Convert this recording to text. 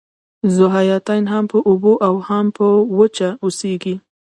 ذوحیاتین هم په اوبو او هم په وچه اوسیږي